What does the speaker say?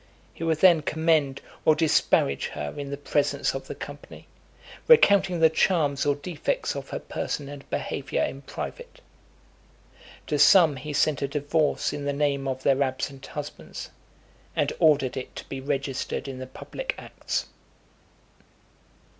He would then commend or disparage her in the presence of the company, recounting the charms or defects of her person and behaviour in private. To some he sent a divorce in the name of their absent husbands, and ordered it to be registered in the public acts.